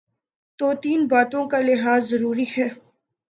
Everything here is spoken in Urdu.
تو تین باتوں کا لحاظ ضروری ہے۔